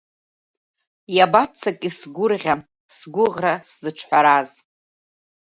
Иабаццаки сгәырӷьа, сгәыӷра сзыҿҳәараз?